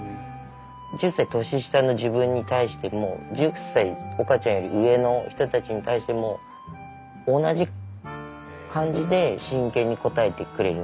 １０歳年下の自分に対しても１０歳岡ちゃんより上の人たちに対しても同じ感じで真剣に答えてくれるんですよ。